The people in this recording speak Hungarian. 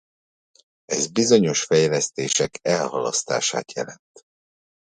Ez bizonyos fejlesztések elhalasztását jelent.